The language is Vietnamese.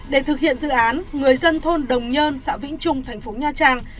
để thực hiện dự án người dân thôn đồng nhơn xã vĩnh trung thành phố nha trang